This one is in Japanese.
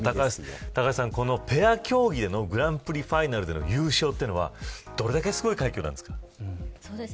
高橋さん、ペア競技でのグランプリファイナルでの優勝というのはどれだけすごい快挙なんですか。